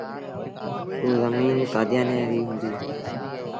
اوٚ زميݩ ڪآديآنيآن ريٚ هُݩديٚ۔